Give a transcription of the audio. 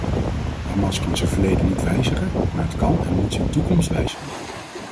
Hamas kan zijn verleden niet wijzigen, maar het kan en moet zijn toekomst wijzigen.